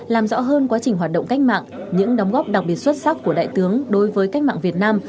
làm rõ hơn quá trình hoạt động cách mạng những đóng góp đặc biệt xuất sắc của đại tướng đối với cách mạng việt nam